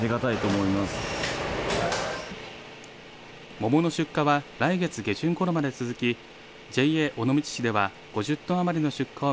桃の出荷は来月下旬ごろまで続きＪＡ尾道市では５０トン余りの出荷を